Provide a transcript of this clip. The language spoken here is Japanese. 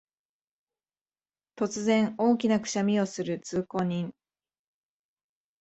突然、大きなくしゃみをする通行人